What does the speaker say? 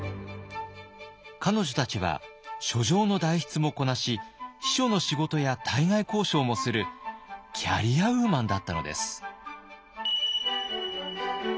彼女たちは書状の代筆もこなし秘書の仕事や対外交渉もするキャリアウーマンだったのです。